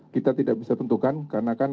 kita tidak bisa tentukan karena kan